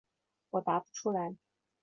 我答不出来。